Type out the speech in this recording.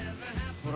ほら。